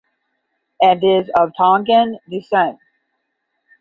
And is of Tongan descent.